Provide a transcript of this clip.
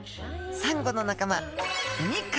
サンゴの仲間